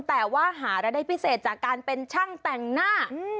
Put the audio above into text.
แต่ว่าหารายได้พิเศษจากการเป็นช่างแต่งหน้า